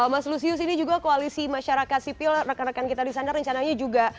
mas lusius ini juga koalisi masyarakat sipil rekan rekan kita di sana rencananya juga